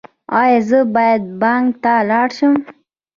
ایا زه باید بانک ته لاړ شم؟